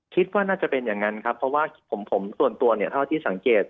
คิดว่าน่าจะเป็นอย่างนั้นครับเพราะว่าผมส่วนตัวเนี่ยเท่าที่สังเกต